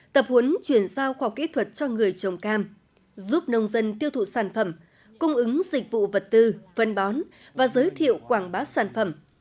tập huấn chuyển giao khoa kỹ thuật cho người trồng cam giúp nông dân tiêu thụ sản phẩm cung ứng dịch vụ vật tư phân bón và giới thiệu quảng bá sản phẩm